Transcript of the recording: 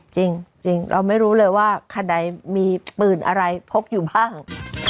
จริงเราไม่รู้เลยว่าคันใดมีปืนอะไรพกอยู่บ้าง